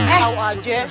eh tau aja